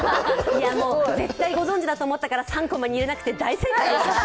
絶対ご存じだと思ったので３コマに入れなくて大正解でした。